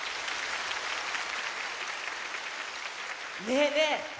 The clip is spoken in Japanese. ねえねえ！